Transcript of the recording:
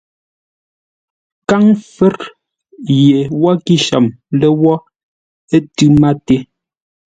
Kâŋ fə̌r ye wə́ kíshəm lə́wó, ə́ tʉ́ máté.